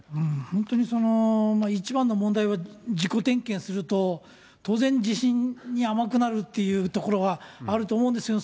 本当に一番の問題は自己点検すると当然、自身に甘くなるというところはあると思うんですよね。